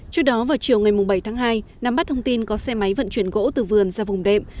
trước đó vào chiều ngày bảy tháng hai nắm bắt thông tin có xe máy vận chuyển gỗ từ vườn ra vùng đệm